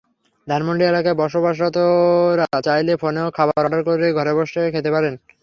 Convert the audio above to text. ধানমন্ডি এলাকায় বসবাসরতরা চাইলে ফোনেও খাবার অর্ডার করে ঘরে বসে খেতে পারেন।